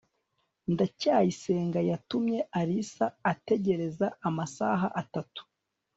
ndacyayisenga yatumye alice ategereza amasaha atatu